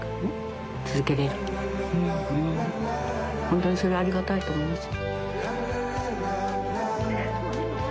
本当にそれはありがたいと思います。